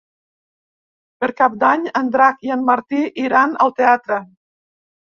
Per Cap d'Any en Drac i en Martí iran al teatre.